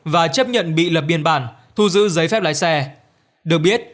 và chấp nhận bị lập biên bản thu giữ giấy phép lái xe được biết